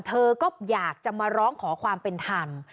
เธอก็อยากจะมาร้องขอความเป็นธรรม